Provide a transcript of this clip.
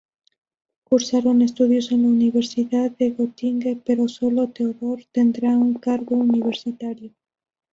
Cursaron estudios en la Universidad de Göttingen, pero sólo Theodor tendrá un cargo universitario.